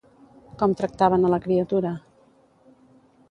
Com tractaven a la criatura?